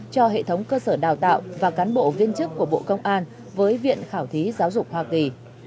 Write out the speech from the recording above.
cho hệ thống cơ sở đào tạo và cán bộ viên chức của bộ công an với viện khảo thí giáo dục hoa kỳ